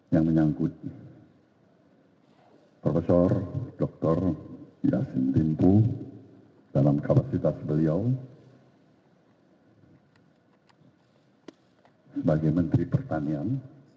yang menyangkut prof dr yasin limpo dalam kapasitas beliau sebagai menteri pertanian